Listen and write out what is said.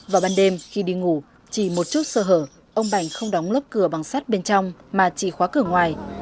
vào ban đêm khi đi ngủ chỉ một chút sơ hở ông bành không đóng lớp cửa bằng sắt bên trong mà chỉ khóa cửa ngoài